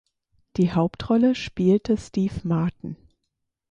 Die Hauptrolle spielte Steve Martin.